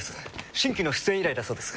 新規の出演依頼だそうです。